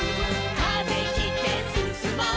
「風切ってすすもう」